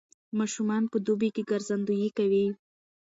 ماشومان په دوبي کې ګرځندويي کوي.